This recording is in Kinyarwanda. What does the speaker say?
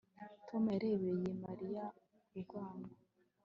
Tom yarebye Mariya urwango